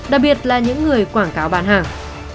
đặc biệt là những người quảng cáo bán hàng